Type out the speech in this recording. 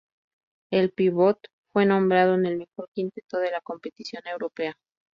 El pívot fue nombrado en el mejor quinteto de la competición europea.